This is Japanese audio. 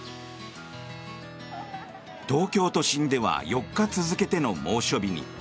東京都心では４日続けての猛暑日に。